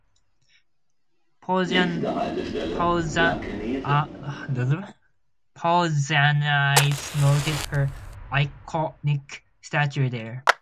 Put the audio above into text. Pausanias noted her iconic statue there.